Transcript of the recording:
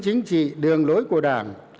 chính trị đường lối của đảng